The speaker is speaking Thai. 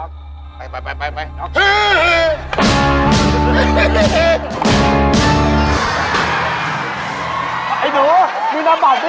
รอแขนค่ะพี่